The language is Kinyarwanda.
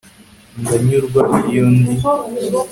ndanyurwa iyo ndi